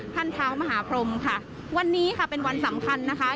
ท่านเท้ามหาพรมค่ะวันนี้ค่ะเป็นวันสำคัญนะคะ